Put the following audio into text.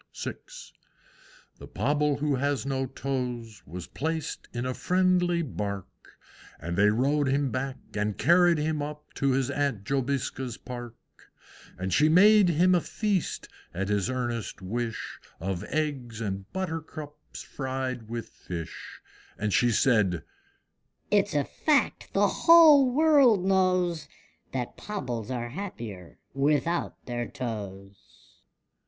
VI. The Pobble who has no toes Was placed in a friendly Bark, And they rowed him back, and carried him up To his Aunt Jobiska's Park. And she made him a feast, at his earnest wish, Of eggs and buttercups fried with fish; And she said, "It's a fact the whole world knows, That Pobbles are happier without their toes."